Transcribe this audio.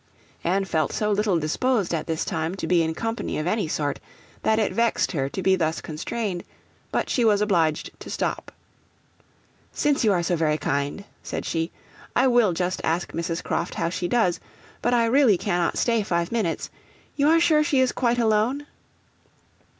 Anne felt so little disposed at this time to be in company of any sort, that it vexed her to be thus constrained, but she was obliged to stop. 'Since you are so very kind,' said she, 'I will just ask Mrs. Croft how she does, but I really cannot stay five minutes. You are sure she is quite alone?'